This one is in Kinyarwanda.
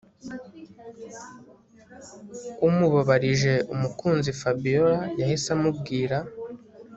umubabarije umukunzi Fabiora yahise amubwira